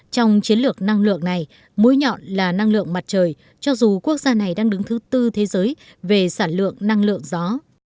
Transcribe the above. trong chiến lược năng lượng này mũi nhọn là năng lượng mặt trời cho dù quốc gia này đang đứng thứ tư thế giới về sản lượng năng lượng gió